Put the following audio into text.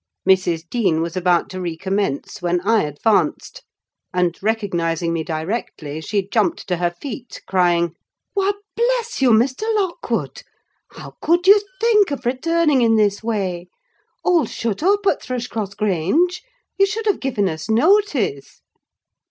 Mrs. Dean was about to recommence, when I advanced; and recognising me directly, she jumped to her feet, crying—"Why, bless you, Mr. Lockwood! How could you think of returning in this way? All's shut up at Thrushcross Grange. You should have given us notice!"